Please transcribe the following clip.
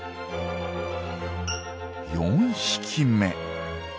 ４匹目。